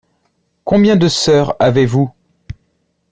Combien de sœurs avez-vous ?